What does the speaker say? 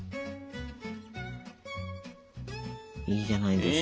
いいじゃないですか。